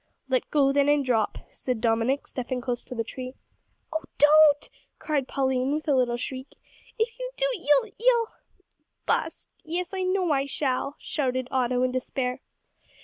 "Let go then, and drop," said Dominick, stepping close to the tree. "Oh no, don't!" cried Pauline, with a little shriek; "if you do you'll you'll " "Bust! Yes, I know I shall," shouted Otto, in despair.